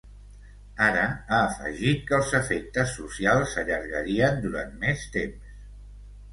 Ara, ha afegit que els efectes socials s’allargarien durant més temps.